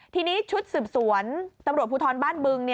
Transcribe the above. ทีนี้ชุดสืบสวนตำรวจภูทรบ้านบึง